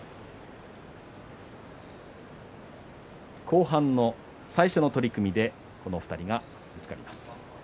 後半の最初の取組でこの２人がぶつかります。